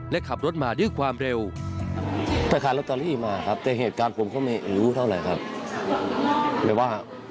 และขับรถมาด้วยความเร็ว